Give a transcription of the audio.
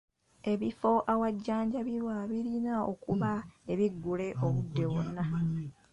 Ebifo awajjanjabirwa birina okuba ebiggule obudde bwonna.